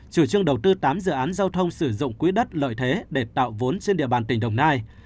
chủ trương đầu tư tám dự án giao thông sử dụng quỹ đất lợi thế để tạo vốn trên địa bàn tỉnh đồng nai